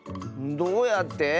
どうやって？